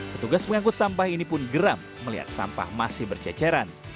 petugas mengangkut sampah ini pun geram melihat sampah masih berceceran